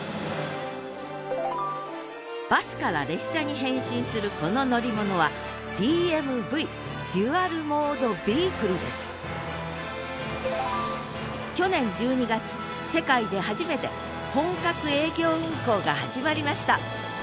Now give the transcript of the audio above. バスから列車に変身するこの乗り物はＤＭＶデュアル・モード・ビークルです去年１２月世界で初めて本格営業運行が始まりました